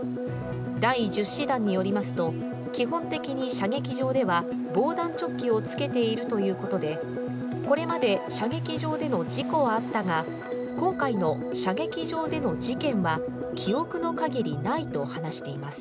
第１０師団によりますと基本的に射撃場では防弾チョッキを着けているということで、これまで射撃場での事故はあったが、今回の射撃場での事件は記憶のかぎりないと話しています。